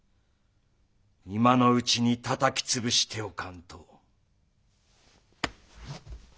今のうちにたたき潰しておかんと。